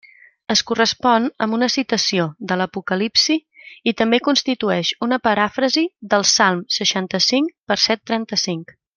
Es correspon amb una citació de l'Apocalipsi, i també constitueix una paràfrasi del Salm seixanta-cinc, verset trenta-cinc.